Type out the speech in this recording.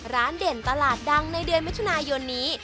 เด่นตลาดดังในเดือนมิถุนายนนี้